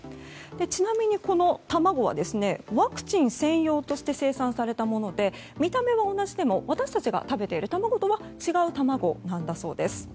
ちなみにこの卵はワクチン専用として生産されたもので見た目は同じでも私たちが食べている卵とは、違う卵なんだそうです。